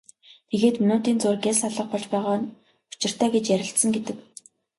Тэгээд минутын зуур гялс алга болж байгаа нь учиртай гэж ярилцсан гэдэг.